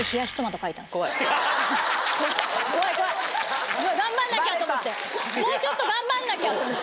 描いたんですよ。と思ってもうちょっと頑張んなきゃと思って。